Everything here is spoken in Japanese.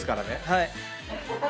はい。